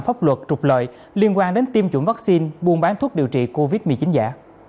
pháp luật trục lợi liên quan đến tiêm chủng vaccine buôn bán thuốc điều trị covid một mươi chín giả